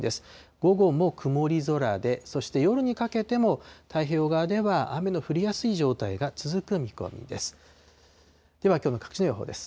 午後も曇り空で、そして、夜にかけても、太平洋側では雨の降りやすい状態が続く見込みです。